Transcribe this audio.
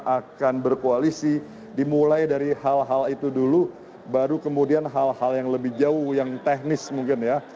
akan berkoalisi dimulai dari hal hal itu dulu baru kemudian hal hal yang lebih jauh yang teknis mungkin ya